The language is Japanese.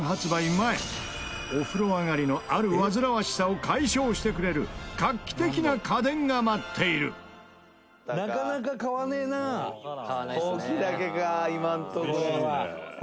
前お風呂上がりの、あるわずらわしさを解消してくれる画期的な家電が待っている二階堂：ホウキだけか今のとこ。